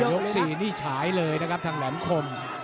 ยก๔นี่ฉายเลยนะครับทางแหลมคม